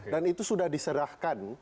dan itu sudah diserahkan